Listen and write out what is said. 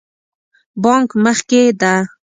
بانک مخکې ده